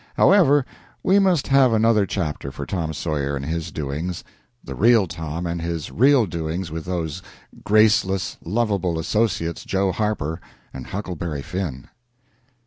However, we must have another chapter for Tom Sawyer and his doings the real Tom and his real doings with those graceless, lovable associates, Joe Harper and Huckleberry Finn.